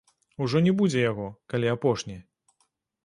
Ужо не будзе яго, калі апошні.